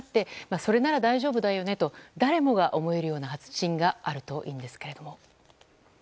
それなら大丈夫だよねと誰もが思えるような発信があるといいんですけれども。